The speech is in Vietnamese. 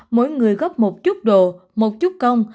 mỗi người góp một chút đồ một chút công